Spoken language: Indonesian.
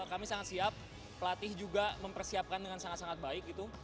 kami sangat siap pelatih juga mempersiapkan dengan sangat sangat baik gitu